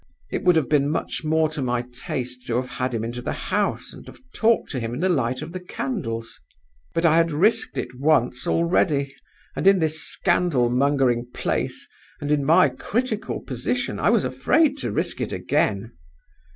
It would have been much more to my taste to have had him into the house, and have talked to him in the light of the candles. But I had risked it once already; and in this scandal mongering place, and in my critical position, I was afraid to risk it again.